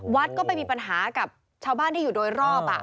วัดก็ไปมีปัญหากับชาวบ้านที่อยู่โดยรอบ